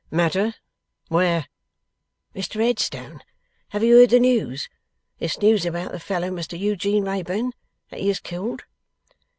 'Matter? Where?' 'Mr Headstone, have you heard the news? This news about the fellow, Mr Eugene Wrayburn? That he is killed?